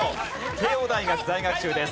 慶應大学在学中です。